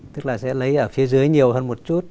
tức là sẽ lấy ở phía dưới nhiều hơn một chút